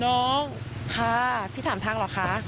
น้องค่ะพี่ถามทางเหรอคะ